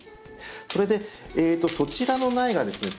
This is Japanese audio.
それでそちらの苗がですね